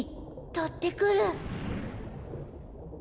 とってくる。